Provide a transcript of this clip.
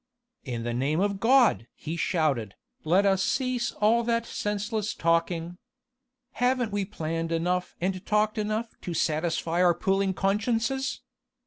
"In the name of God!" he shouted, "let us cease all that senseless talking. Haven't we planned enough and talked enough to satisfy our puling consciences?